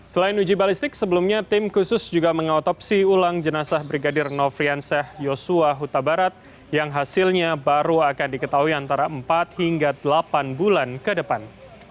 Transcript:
selain uji balistik sebelumnya tim khusus juga mengotopsi ulang jenazah brigadir nofriansah yosua huta barat yang hasilnya baru akan diketahui antara empat hingga delapan bulan ke depan